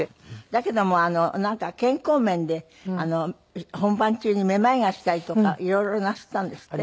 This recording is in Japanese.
だけどもなんか健康面で本番中にめまいがしたりとか色々なすったんですって？